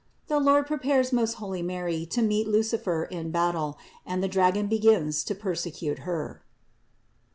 THE LORD PREPARES MOST HOLY MARY TO MEET LUCIFER IN BATTLE AND THE DRAGON BEGINS TO PERSECUTE HER.